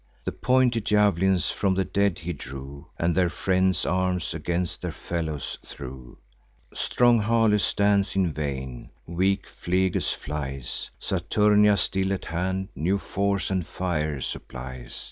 The pointed jav'lins from the dead he drew, And their friends' arms against their fellows threw. Strong Halys stands in vain; weak Phlegys flies; Saturnia, still at hand, new force and fire supplies.